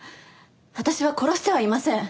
私は殺してはいません。